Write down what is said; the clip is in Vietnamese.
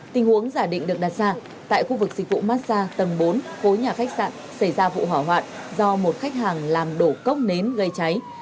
tình huống giả định được đặt ra tại khu vực dịch vụ massag tầng bốn khối nhà khách sạn xảy ra vụ hỏa hoạn do một khách hàng làm đổ cốc nến gây cháy